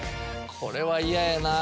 これは嫌やなぁ。